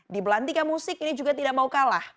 di belantika musik ini juga tidak mau kalah